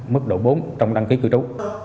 mức độ bốn trong đăng ký cư trú